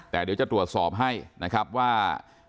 แต่เดี๋ยวจะตรวจสอบให้นะครับว่า